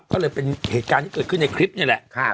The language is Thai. ก็เลยเป็นเหตุการณ์ที่เกิดขึ้นในคลิปนี่แหละ